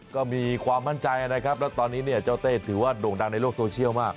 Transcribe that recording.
ก็มีความมั่นใจนะครับแล้วตอนนี้เนี่ยเจ้าเต้ถือว่าโด่งดังในโลกโซเชียลมาก